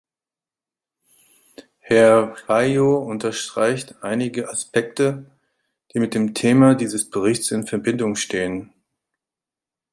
Herr Feio unterstreicht einige Aspekte, die mit dem Thema dieses Berichts in Verbindung stehen.